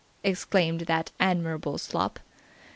exclaimed that admirable slop.